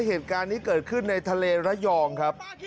เหตุการณ์นี้เกิดขึ้นในทะเลระยองครับ